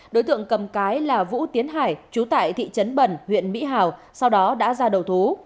đối tượng cầm cái là vũ tiến hải trú tại thị trấn bẩn huyện mỹ hào sau đó đã ra đầu thú